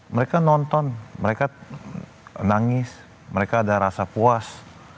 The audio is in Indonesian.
mereka nonton mereka nangis mereka ada rasa puas